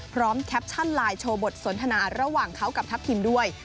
แคปชั่นไลน์โชว์บทสนทนาระหว่างเขากับทัพทิมด้วย